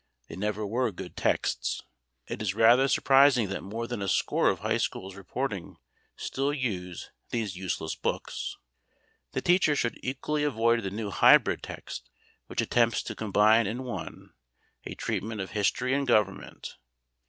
They never were good texts. It is rather surprising that more than a score of high schools reporting still use these useless books. The teacher should equally avoid the new hybrid text which attempts to combine in one, a treatment of History and Government.